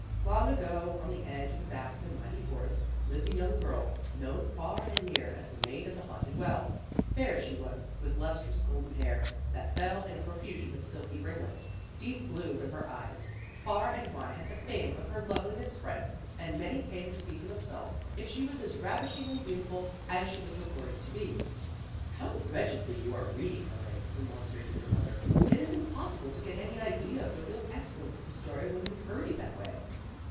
" Long ago, on the edge of a vast and mighty forest, lived a young girl, known far and near as the Maid of the Haunted Well. Fair she was, with lustrous, golden hair, that fell in a profusion of silky ringlets. Deep blue were her eyes. Far and wide had the fame of her loveliness spread, and many came to see for PEGGY ACTS AS CRITIC 141 themselves if she was as ravishingly beautiful as she was reported to be." " How wretchedly you are reading, Elaine," remonstrated her mother. " It is impossible to get any idea of the real excellence of the story when you hurry that way."